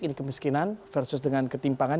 ini kemiskinan versus dengan ketimpangan